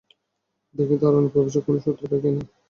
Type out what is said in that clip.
দেখি তার অনুপ্রবেশের কোনো সূত্র পাই কিনা।